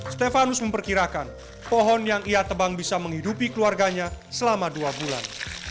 stefanus memperkirakan pohon yang ia tebang bisa menghidupi keluarganya selama dua bulan